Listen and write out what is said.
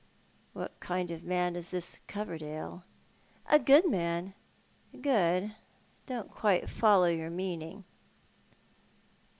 "What kind of a man is this Coverdale?" "A good man." " Good ? I don't quite follow your meaning."